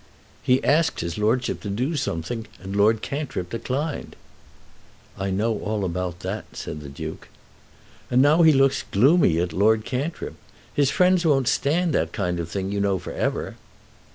"He asked his lordship to do something, and Lord Cantrip declined." "I know all about that," said the Duke. "And now he looks gloomy at Lord Cantrip. His friends won't stand that kind of thing, you know, for ever."